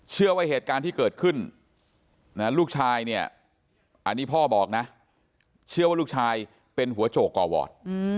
เชื่อว่าเหตุการณ์ที่เกิดขึ้นลูกชายเนี่ยอันนี้พ่อบอกนะเชื่อว่าลูกชายเป็นหัวโจกก่อวอด